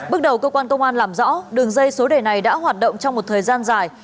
bước đầu cơ quan công an làm rõ đường dây số đề này đã hoạt động trong một thời gian dài